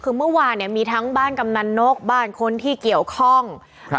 คือเมื่อวานเนี่ยมีทั้งบ้านกำนันนกบ้านคนที่เกี่ยวข้องครับ